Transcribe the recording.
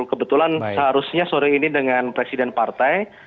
kebetulan seharusnya sore ini dengan presiden partai